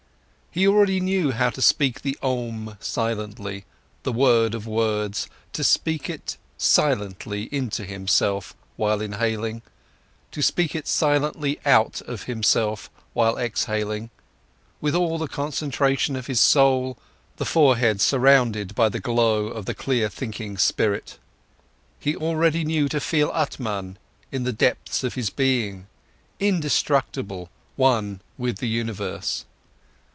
He already knew how to speak the Om silently, the word of words, to speak it silently into himself while inhaling, to speak it silently out of himself while exhaling, with all the concentration of his soul, the forehead surrounded by the glow of the clear thinking spirit. He already knew to feel Atman in the depths of his being, indestructible, one with the universe.